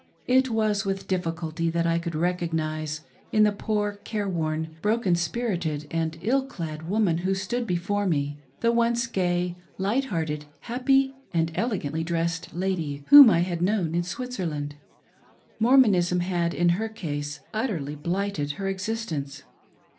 It was with diffi 406 A CONTRAST, culty that I could recognise in the poor, careworn, broken spirited, and ill clad woman who stood before me, the once gay, light hearted, happy, and elegantly dressed lady whom I had known in Switzerland. MormOnism had in her case utterly blighted her existence.